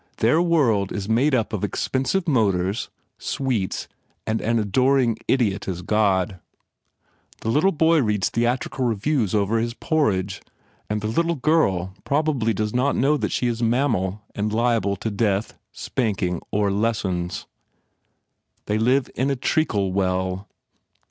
Their world is made up of expensive motors, sweets and an adoring idiot as God. The little boy reads theatrical reviews over his por ridge and the litle girl probably does not know that she is a mammal and liable to death, spank ing or lessons. They live in a treacle well.